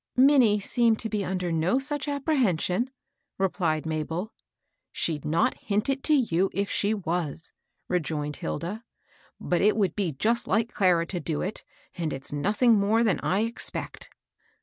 " Minnie seemed to be under no such apprehen sion," replied Mabel. " She'd not hint it to you, if she was," rejoined Hilda. " But it would be just like Clara to do it, and it's nothing more than I expect."